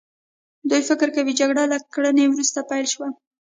دوی فکر کوي جګړه له کرنې وروسته پیل شوه.